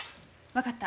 わかった。